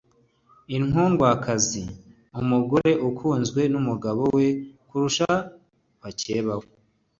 inkundwakazi: umugore ukunzwe n’umugabo we kurusha bakeba be